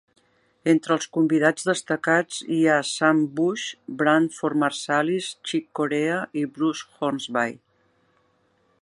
Entre els convidats destacats hi ha Sam Bush, Branford Marsalis, Chick Corea i Bruce Hornsby.